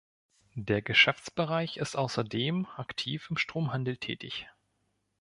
Der Geschäftsbereich ist ausserdem aktiv im Stromhandel tätig.